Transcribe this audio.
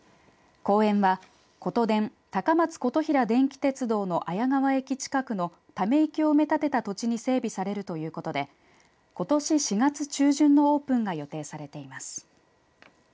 公園は、ことでん高松琴平電気鉄道の綾川駅近くのため池を埋め立てた土地に整備されるということでことし４月中旬のオープンが予定されています。